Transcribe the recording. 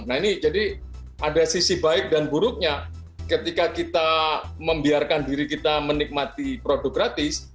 nah ini jadi ada sisi baik dan buruknya ketika kita membiarkan diri kita menikmati produk gratis